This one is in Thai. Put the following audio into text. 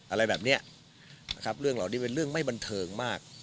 อะไรแบบนี้นะครับเรื่องเหล่านี้เป็นเรื่องไม่บันเทิงมาก